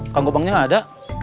kang gopangnya gak ada